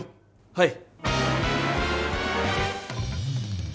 はい。